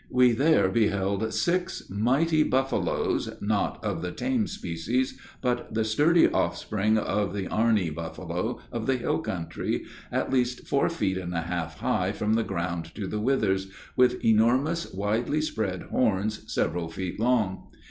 We there beheld six mighty buffaloes, not of the tame species, but the sturdy offspring of the Arni buffalo of the hill country, at least four feet and a half high from the ground to the withers, with enormous widely spread horns, several feet long.